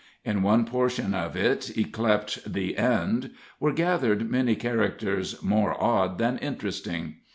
In one portion of it, yclept "the End," were gathered many characters more odd than interesting.